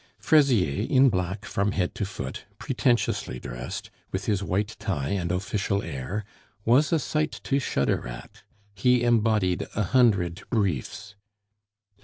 Fraisier, in black from head to foot, pretentiously dressed, with his white tie and official air, was a sight to shudder at; he embodied a hundred briefs.